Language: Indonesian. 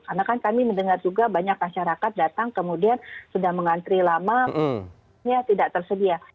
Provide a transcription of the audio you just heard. karena kan kami mendengar juga banyak masyarakat datang kemudian sudah mengantri lama ya tidak tersedia